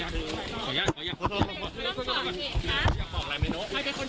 โชว์บ้านในพื้นที่เขารู้สึกยังไงกับเรื่องที่เกิดขึ้น